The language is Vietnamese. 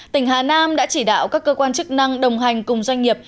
tỉnh hà nam đã chỉ đạo các cơ quan chức năng đồng hành cùng doanh nghiệp